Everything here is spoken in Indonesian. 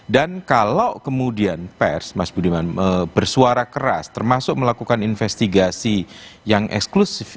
dan kalau kemudian pers mas budiman bersuara keras termasuk melakukan investigasi yang eksklusif